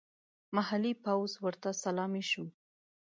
محلي پوځ ورته سلامي شو.